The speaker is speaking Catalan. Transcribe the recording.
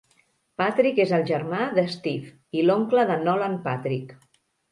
Patrick és el germà de Steve i l'oncle de Nolan Patrick.